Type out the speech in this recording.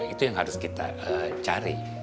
itu yang harus kita cari